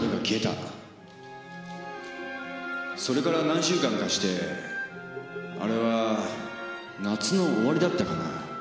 それから何週間かしてあれは夏の終わりだったかな。